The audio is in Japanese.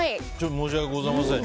申し訳ございません。